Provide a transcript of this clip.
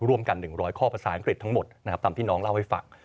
ร่วมกัน๑๐๐ข้อภาษาอังกฤษทั้งหมดนะครับตามที่น้องเล่าให้ฟัง